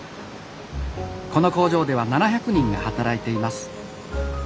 この工場では７００人が働いています。